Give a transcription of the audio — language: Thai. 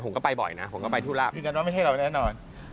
ผมก็ไปบ่อยนะผมก็ไปที่ล่าง